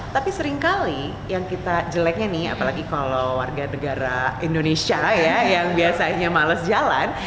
tapi seringkali yang kita jeleknya nih apalagi kalau warga negara indonesia ya yang biasanya males jalan